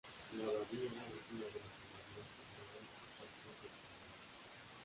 La abadía es una de las abadías fundadas a partir de Claraval.